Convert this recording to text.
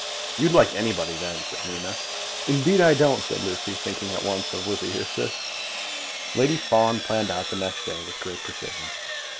"You'd like anybody, then," said Nina. "Indeed I don't," said Lucy, thinking at once of Lizzie Eustace. Lady Fawn planned out the next day with great precision.